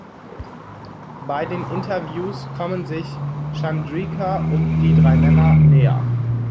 Bei den Interviews kommen sich Chandrika und die drei Männer näher.